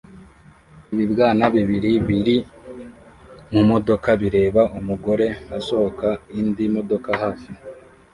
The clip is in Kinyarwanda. Ibibwana bibiri biri mumodoka bireba umugore asohoka indi modoka hafi